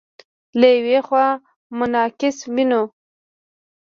له یوې خوا مناسک وینو.